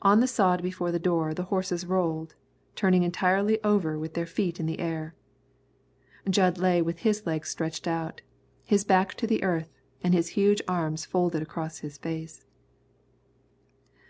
On the sod before the door the horses rolled, turning entirely over with their feet in the air. Jud lay with his legs stretched out, his back to the earth, and his huge arms folded across his face.